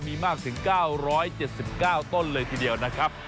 มีมากถึง๙๗๙ต้นเลยทีเดียวนะครับ